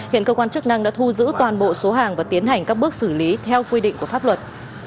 hiện cơ quan chức năng đã thu giữ toàn bộ số hàng và tiến hành các bước xử lý theo quy định của pháp luật